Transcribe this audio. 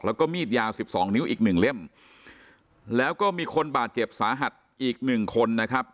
แล้วก็มีดยาวสิบสองนิ้วอีกหนึ่งเล่มแล้วก็มีคนบาดเจ็บสาหัสอีกหนึ่งคนนะครับ